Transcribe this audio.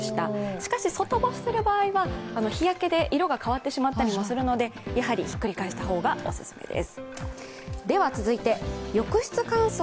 しかし、外干しするときは、日焼けで色が変わったりもするのでやはりひっくり返した方がおすすめです。